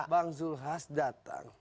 bang zulhas datang